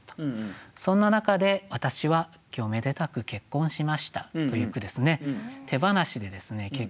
そんな中で私は今日めでたく結婚しましたという句ですね。